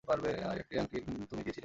এই আংটি একদিন তুমিই দিয়েছিলে।